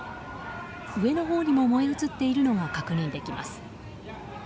上のほうにも燃え移っているのが確認できます。